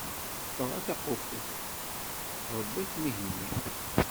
Ffeɣ a taqufet, Ṛebbi ad kem-ihenni.